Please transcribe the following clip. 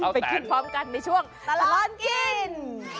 ไปขึ้นพร้อมกันในช่วงตลอดกิน